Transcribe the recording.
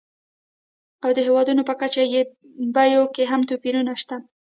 او د هېوادونو په کچه یې بیو کې هم توپیرونه شته.